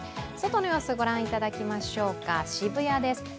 外の様子御覧いただきましょうか、渋谷です。